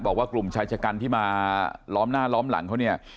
บอกว่ากลุ่มชายชะกันที่มาล้อมหน้าล้อมหลังเขาเนี่ย